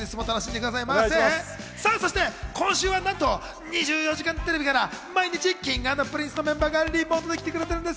そして今週はなんと『２４時間テレビ』から毎日、Ｋｉｎｇ＆Ｐｒｉｎｃｅのメンバーがリモートで来てくれます。